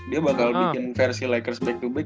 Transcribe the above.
dia bakal bikin versi lakers back to back